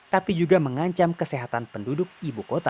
tapi juga mengancam kesehatan penduduk ibu kota